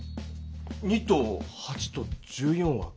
２と８と１４は偶数だ。